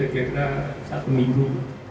jadi kira kira satu minggu